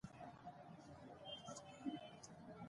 او که په يوه خاندې زه در څخه روپۍ اخلم.